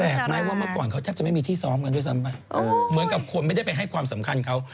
ไหมว่าเมื่อก่อนเขาแทบจะไม่มีที่ซ้อมกันด้วยซ้ำไปเหมือนกับคนไม่ได้ไปให้ความสำคัญเขา